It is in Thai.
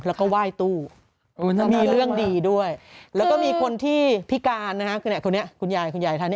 แล้วก็ไหว้ตู้มีเรื่องดีด้วยแล้วก็มีคนที่พิการนะฮะคนนี้คุณยายคุณยายท่านนี้